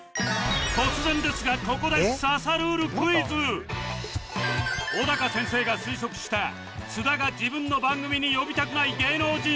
突然ですがここで小高先生が推測した津田が自分の番組に呼びたくない芸能人は？